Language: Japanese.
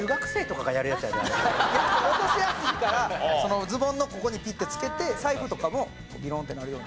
いや落としやすいからズボンのここにピッてつけて財布とかもビロンってなるように。